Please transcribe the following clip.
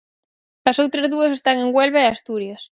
As outras dúas están en Huelva e Asturias.